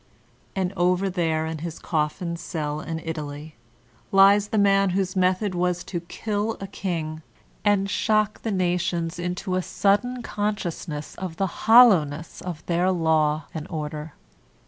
And over there in his coflbi cell b Italy, lies the man whose method was to kill a king, and shock the nations into a sudden consciousness of the hoUowness of their law and order.